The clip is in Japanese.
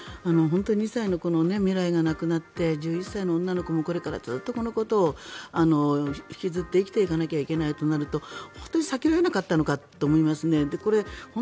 ２歳の子の未来がなくなって１１歳の女の子もこれからずっとこのことを引きずって生きていかなきゃいけないとなると本当に避けられなかったのかと思いますね。